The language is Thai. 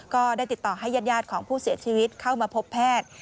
ก็ได้ติดต่อให้ญาติของผู้เสียชีวิตเข้ามาพบแพทย์